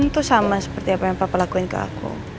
itu sama seperti apa yang bapak lakuin ke aku